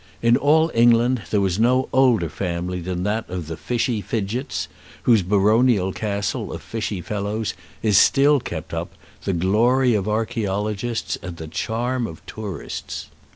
In all England there was no older family than that of the Fichy Fidgetts, whose baronial castle of Fichy Fellows is still kept up, the glory of archaeologists and the charm of tourists.